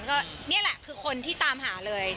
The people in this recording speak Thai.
ก็นี่แหละคือคนที่ตามหาเลย